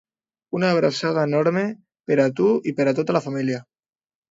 Una abraçada enorme per a tu i per a tota la família.